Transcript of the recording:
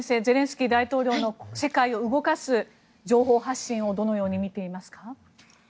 ゼレンスキー大統領の世界を動かす情報発信をどのように見ていますか。